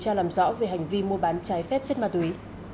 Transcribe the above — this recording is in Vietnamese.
điều tra làm rõ về hành vi mua bán trái phép chất ma túy